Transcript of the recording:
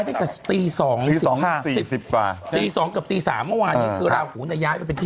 จริงแล้วราหุจะย้ายได้แต่ตี๒